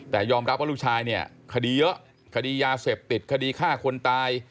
แต่ยอมรับว่าลูกชายเนี่ยคดีเยอะคดียาเสพติดคดีฆ่าคนตาย